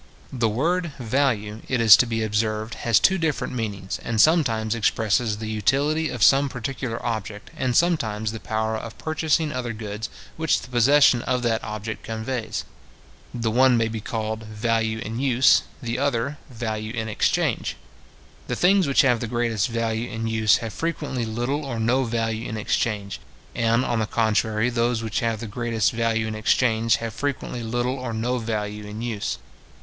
The word VALUE, it is to be observed, has two different meanings, and sometimes expresses the utility of some particular object, and sometimes the power of purchasing other goods which the possession of that object conveys. The one may be called 'value in use;' the other, 'value in exchange.' The things which have the greatest value in use have frequently little or no value in exchange; and, on the contrary, those which have the greatest value in exchange have frequently little or no value in use.